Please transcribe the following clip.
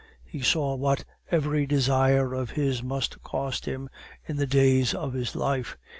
He saw what every desire of his must cost him in the days of his life.